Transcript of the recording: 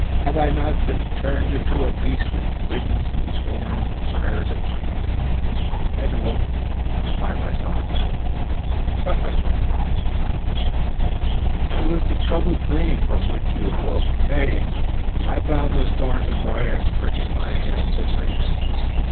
Have I not been turned into a beast and ridden through thorns and briars at night and awoke to find myself in bed?" Charles, laughing, answered: "It was the troubled dream from which you awoke." "Nay; I found the thorns and briars pricking my hands and legs."